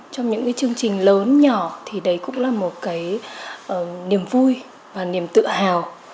trong những chương trình lớn nhỏ thì đấy cũng là một cái niềm vui và niềm tự hào